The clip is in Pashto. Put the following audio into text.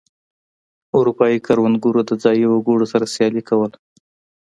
اروپايي کروندګرو د ځايي وګړو سره سیالي کوله.